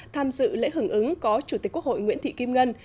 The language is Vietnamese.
tham dự lễ hưởng ứng có chủ tịch quốc hội nguyễn thị kim ngân